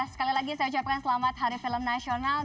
sekali lagi saya ucapkan selamat hari film nasional